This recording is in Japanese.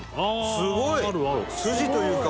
すごい！